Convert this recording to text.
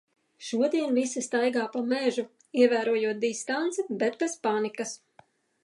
Šodien visi staigā pa mežu. Ievērojot distanci. Bet bez panikas.